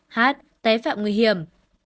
h té phạm nguy hiểm